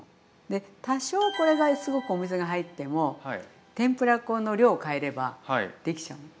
で多少これがすごくお水が入っても天ぷら粉の量を変えればできちゃうの。